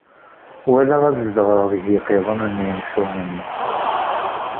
Wala ad zedɣeɣ deg yiqiḍunen n yimcumen.